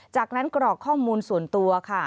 จากนั้นกรอกข้อมูลส่วนตัวค่ะ